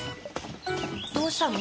どうしたの？